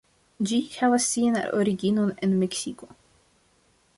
Ĝi havas sian originon en Meksiko.